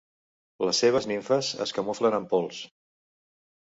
Les seves nimfes es camuflen amb pols.